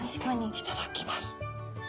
いただきます。